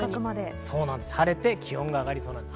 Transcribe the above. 晴れて気温が上がりそうです。